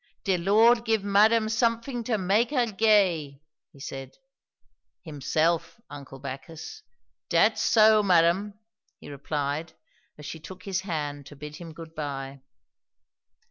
"De Lord give madam sumfin' to make her gay!" he said. "Himself, uncle Bacchus!" "Dat's so, madam!" he replied, as she took his hand to bid him good bye.